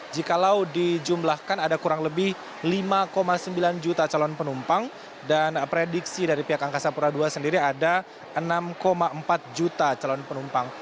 jikalau dijumlahkan ada kurang lebih lima sembilan juta calon penumpang dan prediksi dari pihak angkasa pura ii sendiri ada enam empat juta calon penumpang